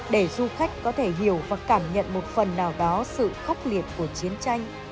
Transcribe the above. để du khách có thể hiểu và cảm nhận một phần nào đó sự khốc liệt của chiến tranh